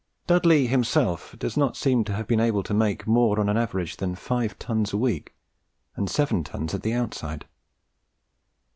Dudley himself does not seem to have been able to make more on an average than five tons a week, and seven tons at the outside.